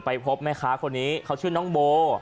ไปพบมั้ยคะคนนี้เขาชื่อน้องโบ